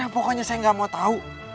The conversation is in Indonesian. pokoknya saya gak mau tahu